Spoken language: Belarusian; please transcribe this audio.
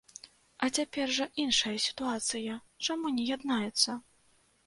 А цяпер жа іншая сітуацыя, чаму не яднаюцца?